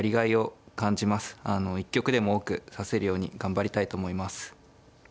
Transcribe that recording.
一局でも多く指せるように頑張りたいと思います。